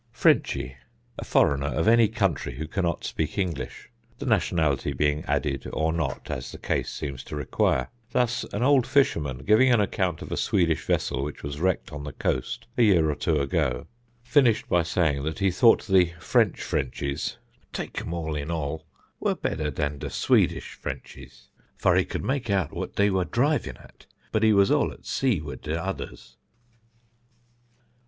[Sidenote: "FRENCHYS"] Frenchy (A foreigner of any country who cannot speak English, the nationality being added or not, as the case seems to require): thus an old fisherman, giving an account of a Swedish vessel which was wrecked on the coast a year or two ago, finished by saying that he thought the French Frenchys, take 'em all in all, were better than the Swedish Frenchys, for he could make out what they were driving at, but he was all at sea with the others.